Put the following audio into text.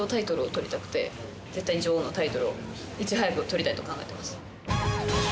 絶対に女王のタイトルをいち早く取りたいと考えてます。